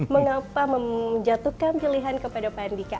mengapa menjatuhkan pilihan kepada pandika